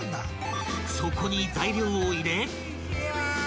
［そこに材料を入れ］